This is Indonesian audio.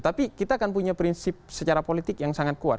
tapi kita akan punya prinsip secara politik yang sangat kuat